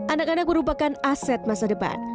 anak anak merupakan aset masa depan